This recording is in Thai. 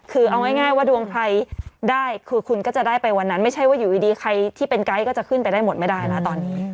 คือเอาง่ายว่าดวงใครได้คือคุณก็จะได้ไปวันนั้นไม่ใช่ว่าอยู่ดีใครที่เป็นไกด์ก็จะขึ้นไปได้หมดไม่ได้นะตอนนี้